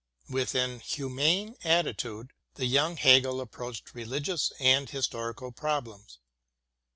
With an humane attitude, the young Hegel approached religious and historical problems.